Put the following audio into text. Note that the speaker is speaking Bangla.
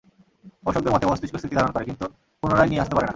গবষকদের মতে, মস্তিষ্ক স্মৃতি ধারণ করে, কিন্তু পুনরায় নিয়ে আসতে পারে না।